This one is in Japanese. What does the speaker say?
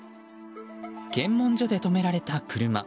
検問所で止められた車。